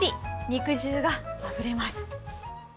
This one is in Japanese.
肉汁があふれます。